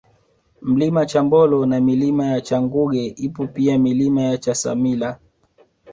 Mlima Chambolo na Milima ya Changuge ipo pia Milima ya Chasamila